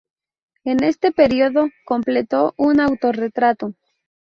En este período, completó un autorretrato.